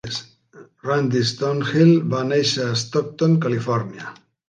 Randy Stonehill va néixer a Stockton, Califòrnia.